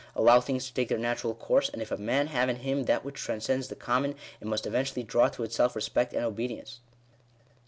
Allow things to take their natural course, and if a man j have in him that which transcends the common, it must event ually draw to itself respect and obedience.